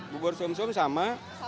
bubur sum sum sama